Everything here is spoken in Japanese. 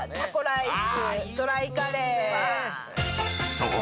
［そう。